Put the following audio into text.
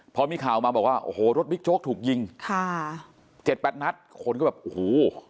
พอมีข่าวมาบอกว่าโอ้โหรถบิ๊กโจ๊กถูกยิงค่ะเจ็ดแปดนัดคนก็แบบโอ้โห